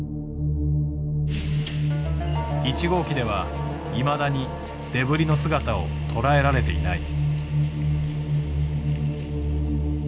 １号機ではいまだにデブリの姿を捉えられていない。